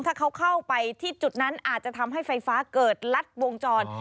ถ้าเขาเข้าไปที่จุดนั้นอาจจะทำให้ไฟฟ้าเกิดลัดวงจร